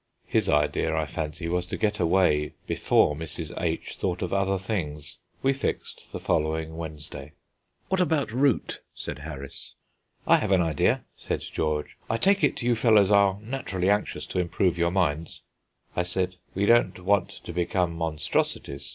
His idea, I fancy, was to get away before Mrs. H. thought of other things. We fixed the following Wednesday. "What about route?" said Harris. "I have an idea," said George. "I take it you fellows are naturally anxious to improve your minds?" I said, "We don't want to become monstrosities.